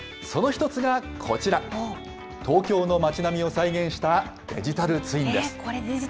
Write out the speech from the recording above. その一つがこちら、東京の街並みを再現したデジタルツインです。